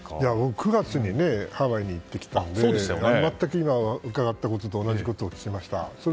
９月にハワイに行ってきたので全く今聞いたことと同じことを思いました。